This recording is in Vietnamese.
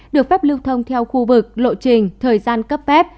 được phép lưu thông theo khu vực lộ trình thời gian cấp phép